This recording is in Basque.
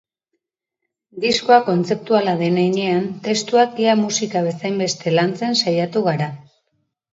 Diskoa kontzeptuala den heinean, testuak ia musika bezainbeste lantzen saiatu gara.